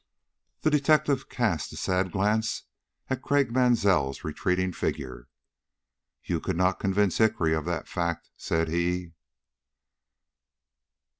The detective cast a sad glance at Craik Mansell's retreating figure. "You could not convince Hickory of that fact," said he.